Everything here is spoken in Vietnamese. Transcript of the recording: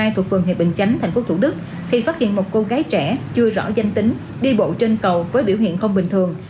thuộc phường hiệp bình chánh tp thủ đức thì phát hiện một cô gái trẻ chưa rõ danh tính đi bộ trên cầu với biểu hiện không bình thường